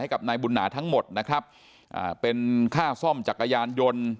กับนายบุญหนาทั้งหมดนะครับอ่าเป็นค่าซ่อมจักรยานยนต์